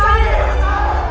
alhamdulillah saya sudah berhasil